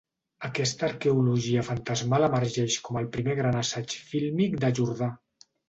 Aquesta arqueologia fantasmal emergeix com el primer gran assaig fílmic de Jordà.